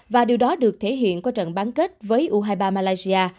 và điều đó được thể hiện qua trận bán kết với u hai mươi ba malaysia